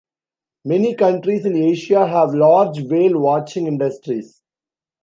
Many countries in Asia have large whale watching industries.